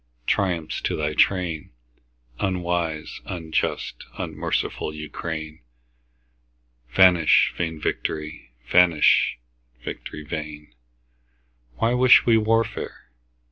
Triumph to thy train, Unwise, unjust, unmerciful Ukraine! Vanish vain victory! vanish, victory vain! Why wish we warfare?